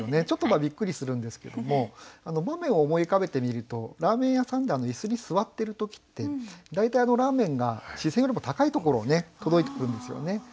ちょっとびっくりするんですけども場面を思い浮かべてみるとラーメン屋さんで椅子に座ってる時って大体ラーメンが視線よりも高いところを届いてくるんですよね。